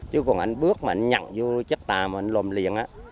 chứ còn anh bước mà anh nhận vô chất tà mà anh lồm liền á